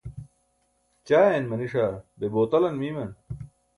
ćaayan maniṣa be botalan miiman?